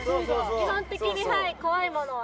基本的に怖いものは。